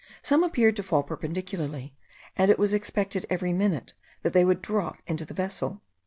Some appeared to fall perpendicularly; and it was expected every minute that they would drop into the vessel."